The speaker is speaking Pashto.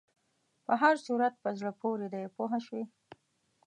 په هر صورت په زړه پورې دی پوه شوې!.